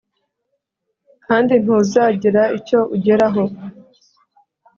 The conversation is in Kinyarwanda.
kandi ntuzagira icyo ugeraho.